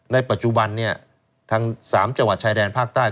ในปัจจุบันเนี่ยทั้ง๓จังหวัดชายแดนภาคใต้